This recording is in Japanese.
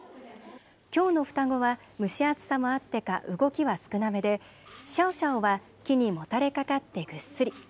きょうの双子は蒸し暑さもあってか動きは少なめでシャオシャオは木にもたれかかってぐっすり。